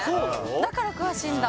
だから詳しいんだ